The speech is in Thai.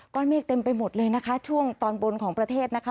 เมฆเต็มไปหมดเลยนะคะช่วงตอนบนของประเทศนะคะ